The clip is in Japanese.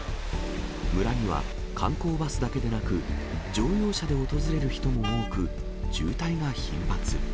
村には、観光バスだけでなく、乗用車で訪れる人も多く、渋滞が頻発。